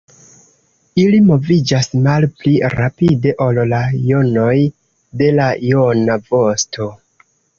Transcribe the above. Ili moviĝas malpli rapide ol la jonoj de la jona vosto.